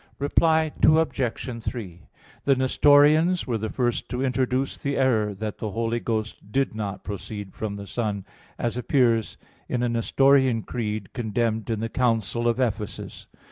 Reply Obj. 3: The Nestorians were the first to introduce the error that the Holy Ghost did not proceed from the Son, as appears in a Nestorian creed condemned in the council of Ephesus.